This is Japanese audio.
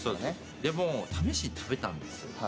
でも、試しに食べたんです。